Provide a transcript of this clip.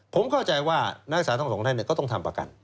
ผมเข้าใจว่านักศึกษาทั้งสองท่านก็ต้องทำประกัน